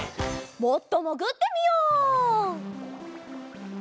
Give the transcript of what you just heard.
もっともぐってみよう！